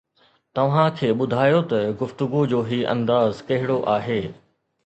توهان کي ٻڌايو ته گفتگو جو هي انداز ڪهڙو آهي